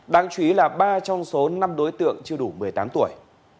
đáng chú ý là ba trong số năm đối tượng chưa đủ một mươi tám tuổi